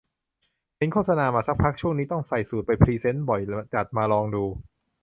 เห็นโฆษณามาสักพัก ช่วงนี้ต้องใส่สูทไปพรีเซนต์บ่อย จัดมาลองดู